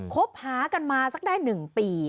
คบหากันมาสักได้๑ปี